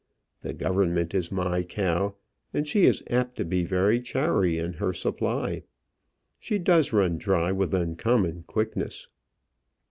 The government is my cow, and she is apt to be very chary in her supply; she does run dry with uncommon quickness."